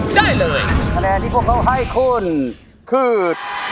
ได้เลยคะแนนที่พวกเขาให้คุณคือ